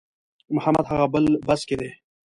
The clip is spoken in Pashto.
محمد هغه بل بس کې دی.